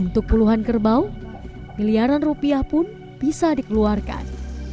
untuk puluhan kerbau miliaran rupiah pun bisa dikeluarkan